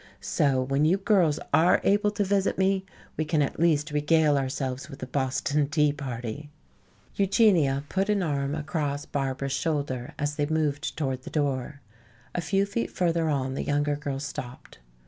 So when you girls are able to visit me, we can at least regale ourselves with a Boston Tea Party." Eugenia put an arm across Barbara's shoulder as they moved toward the door. A few feet further on the younger girl stopped.